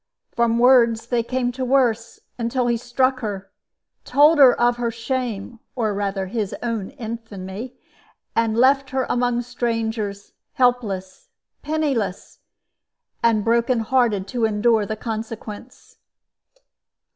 From words they came to worse, until he struck her, told her of her shame, or rather his own infamy, and left her among strangers, helpless, penniless, and brokenhearted, to endure the consequence.